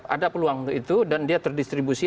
ada peluang untuk itu dan dia terdistribusi